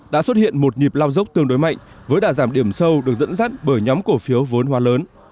đã xuất hiện một nhịp lao dốc tương đối mạnh với đả giảm điểm sâu được dẫn dắt bởi nhóm cổ phiếu vốn hoa lớn